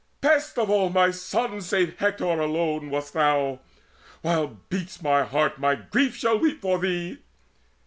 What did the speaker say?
Best Of all my sons, save Hector alone, wast thou! While beats my heart, my grief shall weep for thee.